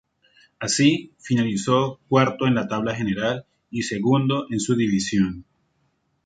Así, finalizó cuarto en la tabla general y segundo en su división.